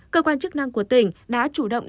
cơ quan chức năng của tỉnh đã chủ động